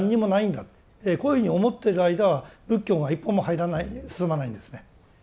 こういうふうに思ってる間は仏教が一歩も入らない進まないんですね。